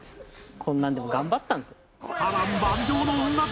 こんなんでも頑張ったんですよ。